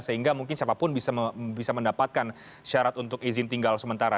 sehingga mungkin siapapun bisa mendapatkan syarat untuk izin tinggal sementara